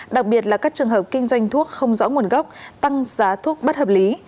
đặc biệt là các trường hợp kinh doanh thuốc không rõ nguồn gốc tăng giá thuốc bất hợp lý